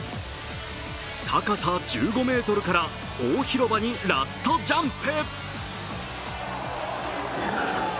高さ１５ｍから大広場にラストジャンプ。